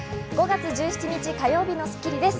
５月１７日、火曜日の『スッキリ』です。